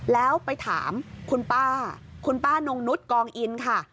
แล้วไปถามคุณป้าคุณป้านงนุษย์กองอินค่ะ